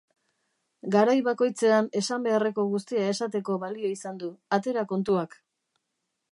Garai bakoitzean esan beharreko guztia esateko balio izan du, atera kontuak.